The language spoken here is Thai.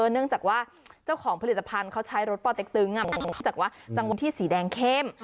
เนื่องจากว่าเจ้าของผลิตภัณฑ์เขาใช้รถปลอเต็กเตอร์จังวงที่สีแดงเข้ม